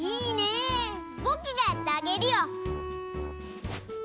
ぼくがやってあげるよ。